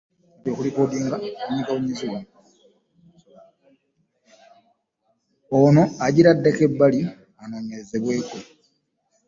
Ono agira addako ebbali anoonyerezebweko.